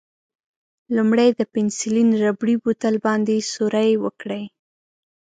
لومړی د پنسیلین ربړي بوتل باندې سوری وکړئ.